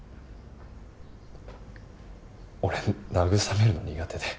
俺慰めるの苦手で。